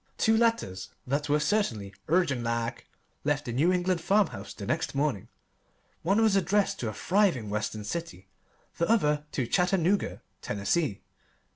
Two letters that were certainly "urgent like" left the New England farmhouse the next morning. One was addressed to a thriving Western city, the other to Chattanooga, Tennessee.